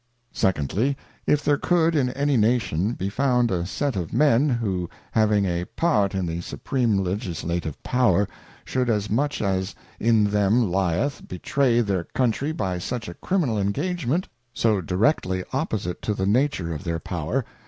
Secondly, If there could in any Nation be found a set of Men, who having a part in the Supreme legislative Power, should as much as in them heth, betray their Country by such a criminal engagement, so directly opposite to the nature of their Power, and 120 The Anatomy of an Equivalent.